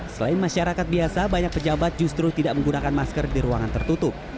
selain masyarakat biasa banyak pejabat justru tidak menggunakan masker di ruangan tertutup